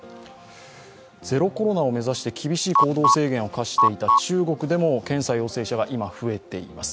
ゼロコロナを目指して厳しい行動制限を課していた中国でも検査陽性者が今、増えています。